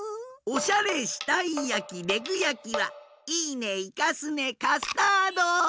おしゃれしたいやきレグやきはいいねいかすねカスタード！